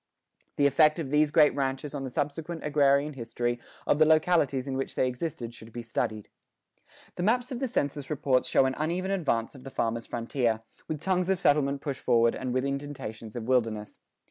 The effect of these great ranches on the subsequent agrarian history of the localities in which they existed should be studied. The maps of the census reports show an uneven advance of the farmer's frontier, with tongues of settlement pushed forward and with indentations of wilderness.